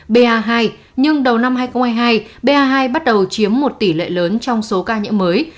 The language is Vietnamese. ba hai nhưng đầu năm hai nghìn hai mươi hai ba bắt đầu chiếm một tỷ lệ lớn trong số ca nhiễm mới